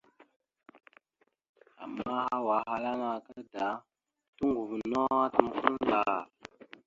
Ama hwa ahala naka da, toŋgov no atam kwal ndar.